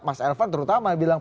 mas elvan terutama bilang